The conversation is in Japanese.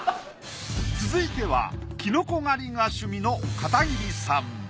続いてはキノコ狩りが趣味の片桐さん